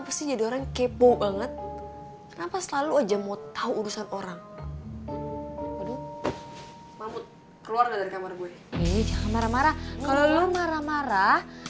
kasian jangan banget diputusin lah